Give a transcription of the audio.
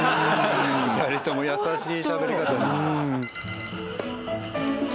２人とも優しいしゃべり方。